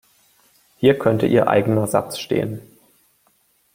Hier könnte Ihr eigener Satz stehen.